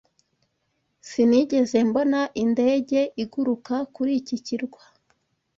Sinigeze mbona indege iguruka kuri iki kirwa.